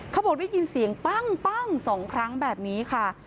เขาบอกได้ยินเสียงปั้งสองครั้งแบบนี้ค่ะ